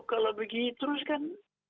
kalau begini terus kan